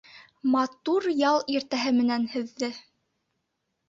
Матур ял иртәһе менән һеҙҙе.